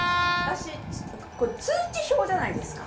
通知表じゃないですか。